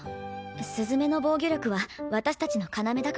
雀の防御力は私たちの要だから。